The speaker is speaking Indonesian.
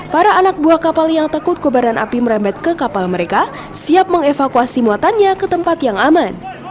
para anak buah kapal yang takut kebaran api merembet ke kapal mereka siap mengevakuasi muatannya ke tempat yang aman